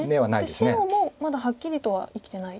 白もまだはっきりとは生きてない。